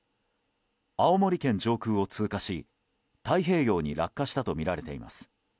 青森県上空を通過し太平洋に落下したとみられています。